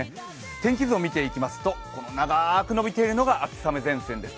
天気図を見ていきますと、長く伸びているのが秋雨前線です。